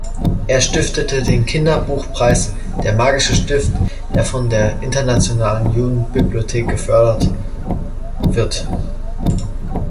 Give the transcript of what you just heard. Er stiftete den Kinderbuchpreis „Der magische Stift“, der von der Internationalen Jugendbibliothek gefördert wird.